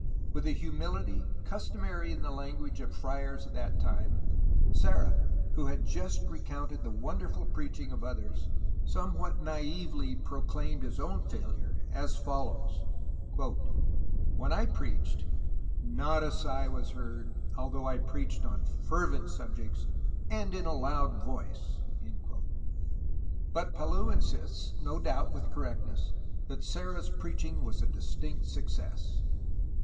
With the humility customary in the language of friars of that time, Serra, who had just recounted the wonderful preaching of others, somewhat naively proclaimed his own failure as follows : "When I preached, not a sigh was heard, although I preached on fervent subjects and in a loud voice." But Palou insists, no doubt with correctness, that Serra's preaching was a distinct success.